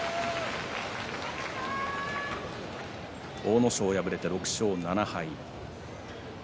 阿武咲、敗れて６勝７敗。